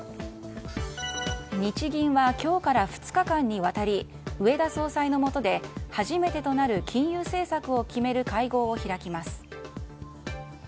日銀は今日から２日間にわたり植田総裁のもとで初めてとなる金融政策を決める会合を開きます。